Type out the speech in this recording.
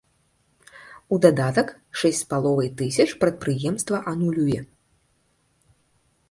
У дадатак шэсць з паловай тысяч прадпрыемства анулюе.